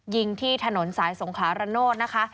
ยิงที่ถนนสายสงขลาระโนธนะคะ